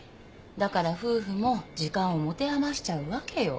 だから夫婦も時間を持て余しちゃうわけよ。